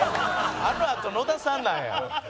あのあと野田さんなんや。